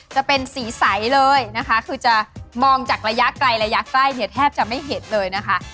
จะเป็นสีใสเลยนะคะคือจะมองจากระยะไกลระยะใกล้เนี่ยแทบจะไม่เห็นเลยนะคะ